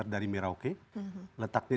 dari merauke letaknya